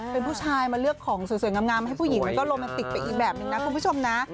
เป็นผู้ชายมาเลือกของสวยงามให้ผู้หญิงมันก็โรแมนติกไปอีกแบบนึงนะคุณผู้ชมนะ